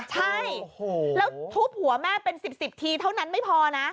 ใช่แล้วทุบหัวแม่เป็น๑๐ทีเท่านั้นไม่พอนะ